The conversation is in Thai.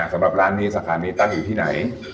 สำหรับร้านนี้สถานีตั้งอยู่ที่ไหน